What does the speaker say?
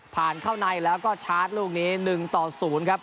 เข้าในแล้วก็ชาร์จลูกนี้๑ต่อ๐ครับ